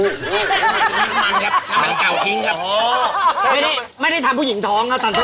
ไม่ได้ไม่ได้ทานผู้หญิงท้องอะธัตรู